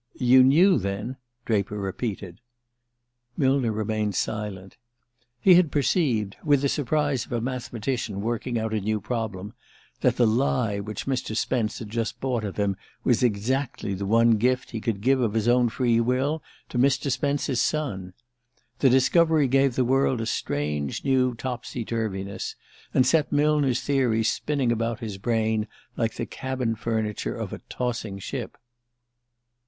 "You knew, then?" Draper repeated. Millner remained silent. He had perceived, with the surprise of a mathematician working out a new problem, that the lie which Mr. Spence had just bought of him was exactly the one gift he could give of his own free will to Mr. Spence's son. This discovery gave the world a strange new topsy turvyness, and set Millner's theories spinning about his brain like the cabin furniture of a tossing ship.